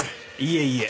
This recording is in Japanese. いえいえ。